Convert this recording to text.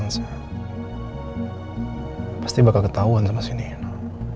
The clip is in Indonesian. pasti akan terlalu banyak ketahuan sama si nino